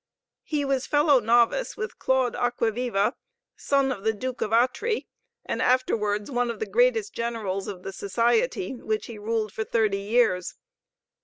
He was fellow novice with Claude Acquaviva, son of the Duke of Atri, and afterwards one of the greatest Generals of the Society, which he ruled for thirty years.